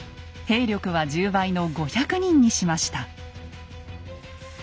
兵力は１０倍の５００人にしました。